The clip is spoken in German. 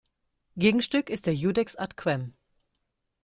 Gegenstück ist der iudex ad quem.